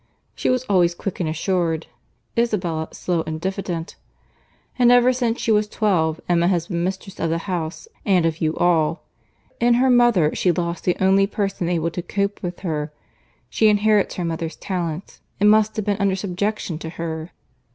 She was always quick and assured: Isabella slow and diffident. And ever since she was twelve, Emma has been mistress of the house and of you all. In her mother she lost the only person able to cope with her. She inherits her mother's talents, and must have been under subjection to her."